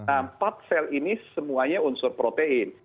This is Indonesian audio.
empat sel ini semuanya unsur protein